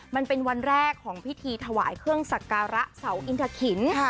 มันเป็นวันแรกของพิธีถวายเครื่องสักการะเสาอินทะขิน